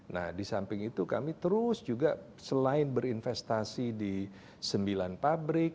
nah di samping itu kami terus juga selain berinvestasi di sembilan pabrik